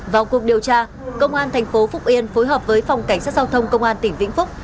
vào cuộc điều tra công an thành phố phúc yên phối hợp với phòng cảnh sát giao thông công an tỉnh vĩnh phúc